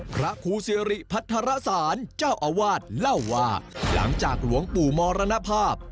พระครูสิริพัทรศาลเจ้าอาวาสเล่าว่าหลังจากหลวงปู่มรณภาพ